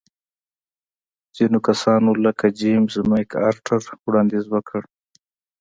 ځینو کسانو لکه جېمز مک ارتر وړاندیز وکړ.